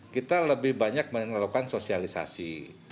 kita lebih banyak melakukan sosialisasi